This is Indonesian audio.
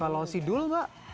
kalau sidul mbak